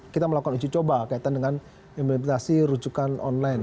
kita melakukan uji coba kaitan dengan implementasi rujukan online